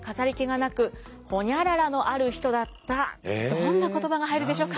どんな言葉が入るでしょうか？